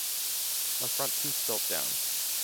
My front tooth felt down.